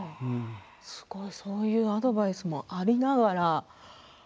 そういうアドバイスもありながら。